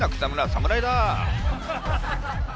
侍だ！